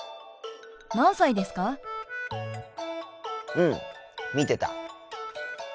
うん見てた。